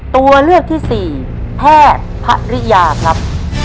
ตัวเลือกที่๔แพทย์ภริยาครับ